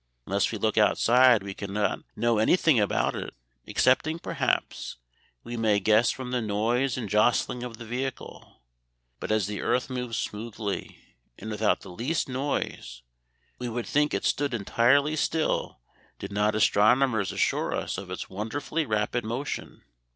Unless we look outside we can not know anything about it, excepting, perhaps, we may guess from the noise and jostling of the vehicle. But as the earth moves smoothly and without the least noise, we would think it stood entirely still did not astronomers assure us of its wonderfully rapid motion.